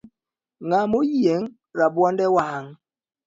Ngama oyieng rabuonde wang